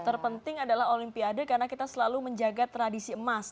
terpenting adalah olimpiade karena kita selalu menjaga tradisi emas